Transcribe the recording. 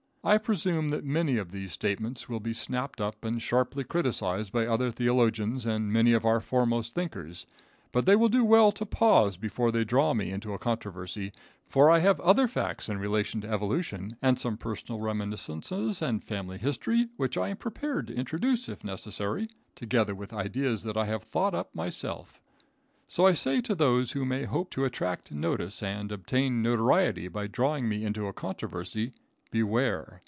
I presume that many of these statements will be snapped up and sharply criticised by other theologians and many of our foremost thinkers, but they will do well to pause before they draw me into a controversy, for I have other facts in relation to evolution, and some personal reminiscences and family history, which I am prepared to introduce, if necessary, together with ideas that I have thought up myself. So I say to those who may hope to attract notice and obtain notoriety by drawing me into a controversy, beware.